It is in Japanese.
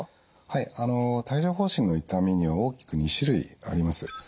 はいあの帯状ほう疹の痛みには大きく２種類あります。